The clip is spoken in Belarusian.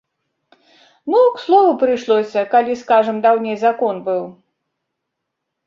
Ну, к слову прыйшлося, калі, скажам, даўней закон быў.